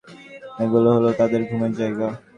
এগুলো হল তাদের ঘুমের জায়গা।